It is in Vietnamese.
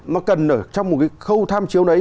nó cần ở trong một cái khâu tham chiếu đấy